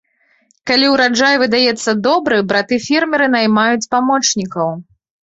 Калі ўраджай выдаецца добры, браты-фермеры наймаюць памочнікаў.